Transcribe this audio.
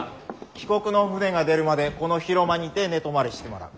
帰国の船が出るまでこの広間にて寝泊まりしてもらう。